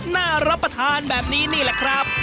น่ารับประทานแบบนี้นี่แหละครับ